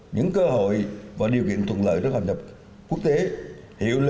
những cơ hội và điều kiện thuận lợi cho hậu nhập quốc tế